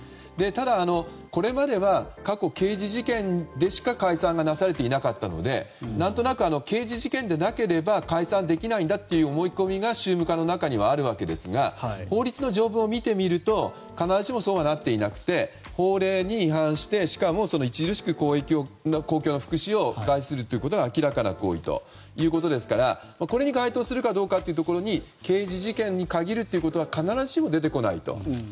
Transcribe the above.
ただ、これまでは過去、刑事事件でしか解散がなされていなかったので何となく刑事事件でなければ解散できないんだという思い込みが宗務課の中にはあるわけですが法律の条文を見てみると必ずしもそうにはなっていなくて法令に違反してしかも著しく公共の福祉を害するということが明らかな行為ということですからこれに該当するかどうかというところに刑事事件に限るということは必ずしも出てこないと。